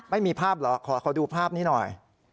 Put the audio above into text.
ไม่มีภาพเหรอขอดูภาพนี้หน่อย